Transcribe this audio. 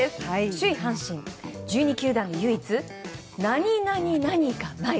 首位、阪神１２球団で唯一何々がない。